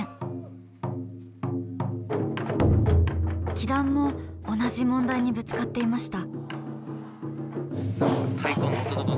輝団も同じ問題にぶつかっていました。